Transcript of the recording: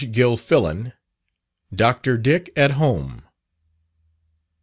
Gilfillan Dr. Dick at home.